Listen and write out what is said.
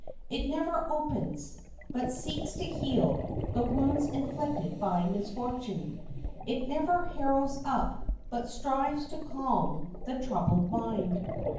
It never opens, but seeks to heal, the wounds inflicted by misfortune. It never harrows up, but strives to calm, the troubled mind.